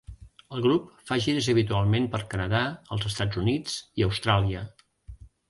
El grup fa gires habitualment pel Canadà, els Estats Units i Austràlia.